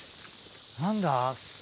何だ？